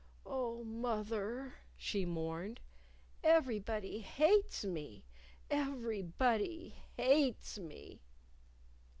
"Oh, moth er!" she mourned. "Everybody hates me! Everybody hates me!"